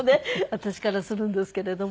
私からするんですけれども。